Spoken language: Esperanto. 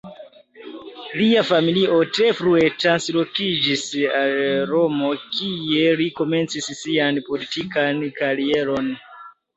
Lia familio tre frue translokiĝis al Romo, kie li komencis sian politikan karieron.